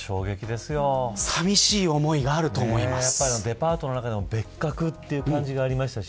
さみしい思いがあるとデパートの中でも別格という感じがありましたし。